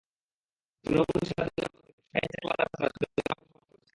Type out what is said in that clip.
তৃণমূলের সাতজনের মধ্যে কেবল শাহীন চাকলাদার ছাড়া ছয়জন আমাকে সমর্থন করেছিলেন।